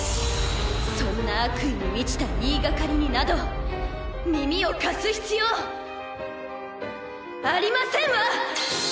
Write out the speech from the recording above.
そんな悪意に満ちた言いがかりになど耳を貸す必要ありませんわ！